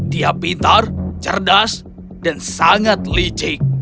dia pintar cerdas dan sangat licik